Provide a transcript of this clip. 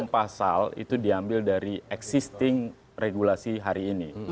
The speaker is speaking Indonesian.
enam pasal itu diambil dari existing regulasi hari ini